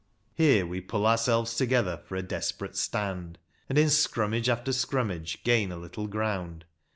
Here we pull ourselves together for a desperate stand, and in scrummage after scrum mage gain a little ground.